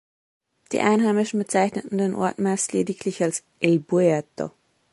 Die Einheimischen bezeichnen den Ort meist lediglich als „El Puerto“.